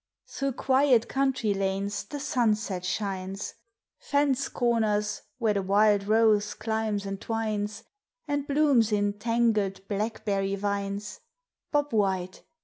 Through quiet country lanes the sunset shines. Fence corners where the wild rose climbs and twines, And blooms in tangled black berry vines, "Bob White!